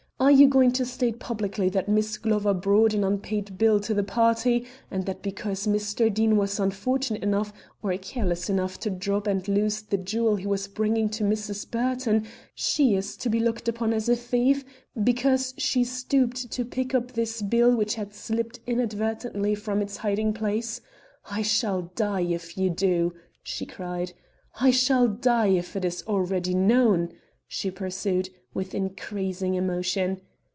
Are you going to state publicly that Miss Glover brought an unpaid bill to the party and that because Mr. Deane was unfortunate enough or careless enough to drop and lose the jewel he was bringing to Mrs. Burton, she is to be looked upon as a thief, because she stooped to pick up this bill which had slipped inadvertently from its hiding place? I shall die if you do," she cried. "I shall die if it is already known," she pursued, with increasing emotion.